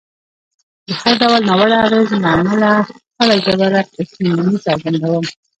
د هر ډول ناوړه اغېز له امله خپله ژوره پښیماني څرګندوم.